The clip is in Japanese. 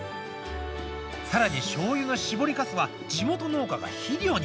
さらに、しょうゆの絞りカスは地元農家が肥料に。